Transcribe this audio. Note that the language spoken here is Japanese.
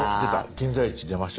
現在地出ましたよ。